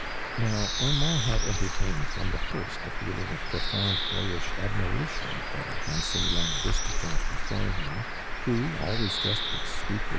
Now, ,\rmainl had entertuned from the first a feeling of profoimd boyish admiration for the handsome young aristocrat before him, who, always dressed with scrupulou.